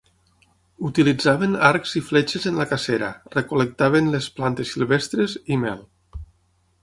Utilitzaven arcs i fletxes en la cacera, recol·lectaven les plantes silvestres i mel.